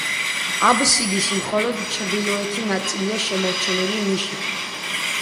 აბსიდის მხოლოდ ჩრდილოეთი ნაწილია შემორჩენილი ნიშით.